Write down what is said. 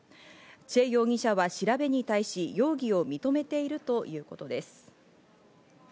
チェ容疑者は調べに対し、容疑を認めているということです。